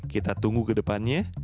kita tunggu ke depannya